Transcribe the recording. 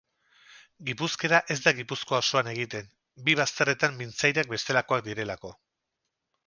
Gipuzkera ez da Gipuzkoa osoan egiten, bi bazterretan mintzairak bestelakoak direlako